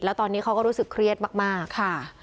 แล้วตอนนี้เขาก็รู้สึกเครียดมากค่ะ